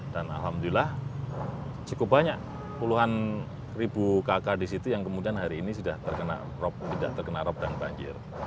dan alhamdulillah cukup banyak puluhan ribu kakak disitu yang kemudian hari ini sudah terkena rop dan banjir